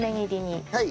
はい。